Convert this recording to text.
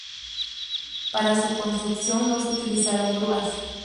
Para su construcción no se utilizaron grúas.